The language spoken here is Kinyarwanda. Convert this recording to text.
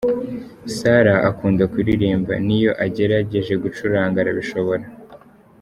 Sarah akunda kuririmba niyo agerageje gucuranga arabishobora.